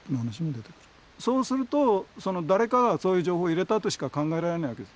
そうすると誰かがそういう情報を入れたとしか考えられないわけです。